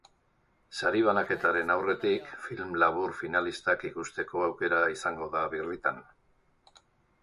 Sari banaketaren aurretik film labur finalistak ikusteko aukera izango da birritan.